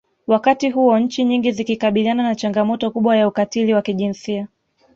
Wakati huo nchi nyingi zikikabiliana na changamoto kubwa ya ukatili wa kijinsia